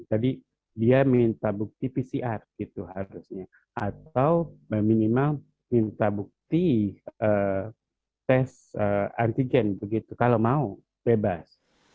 jadi dia minta bukti pcr gitu harusnya atau minimal minta bukti tes antigen begitu kalau mau bebas